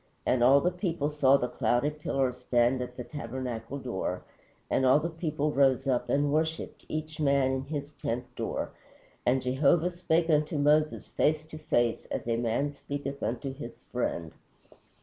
And all the people saw the cloudy pillar stand at the tabernacle door, and all the people rose up and worshiped, each man in his tent door. _And Jehovah spake unto Moses, face to face, as a man speaketh unto his friend.